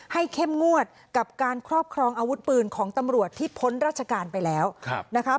เข้มงวดกับการครอบครองอาวุธปืนของตำรวจที่พ้นราชการไปแล้วนะคะ